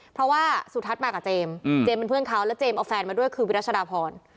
เพราะว่าสุทัศน์มากับเจมส์เจมส์เป็นเพื่อนเขาแล้วเจมส์เอาแฟนมาด้วยคือวิรัชดาพร